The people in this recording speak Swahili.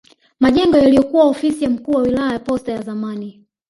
Majengo yaliyokuwa ofisi ya mkuu wa wilaya posta ya zamani